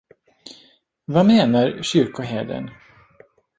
Vad menar kyrkoherden?